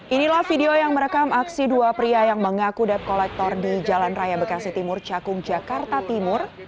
inilah video yang merekam aksi dua pria yang mengaku debt collector di jalan raya bekasi timur cakung jakarta timur